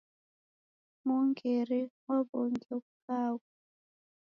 Mw'ongeri waw'ongia ukaghwa